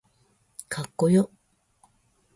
かっこよ